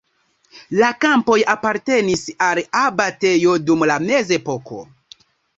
La kampoj apartenis al abatejo dum la mezepoko.